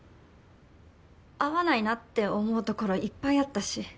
合わないなって思うところいっぱいあったし